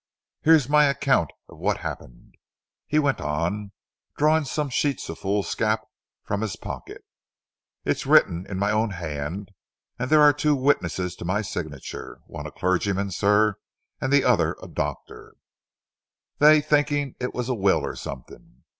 "Here's my account of what happened," he went on, drawing some sheets of foolscap from his pocket. "It's written in my own hand and there are two witnesses to my signature one a clergyman, sir, and the other a doctor, they thinking it was a will or something.